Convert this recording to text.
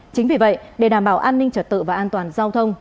chính vì vậy để đảm bảo an ninh trật tự và an toàn giao thông